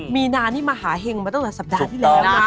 มีน้านี่มาหาเหงประตูะโรคสัปดาห์นี่เลยนะ